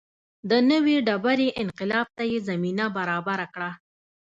د نوې ډبرې انقلاب ته یې زمینه برابره کړه.